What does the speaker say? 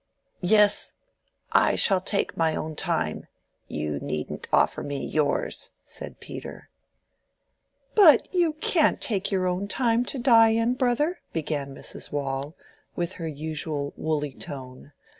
"Yes, I shall take my own time—you needn't offer me yours," said Peter. "But you can't take your own time to die in, Brother," began Mrs. Waule, with her usual woolly tone.